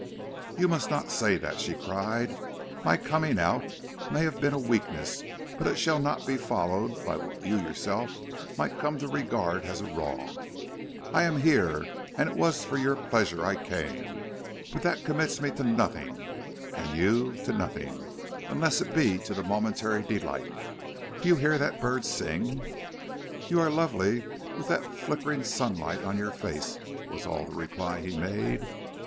"You must not say that," she cried. "My coming out may have been a weakness, but it shall not be followed by what you yourself might come to regard as a wrong. I am here, and it was for your pleasure I came, but that commits me to nothing and you to nothing, unless it be to the momentary delight. Do you hear that bird sing?" "You are lovely with that flickering sunlight on your face," was all the reply he made.